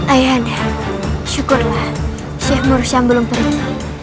ayahanda syukurlah syekh mursam belum pergi